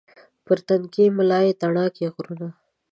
پر تنکۍ ملا یې تڼاکې غرونه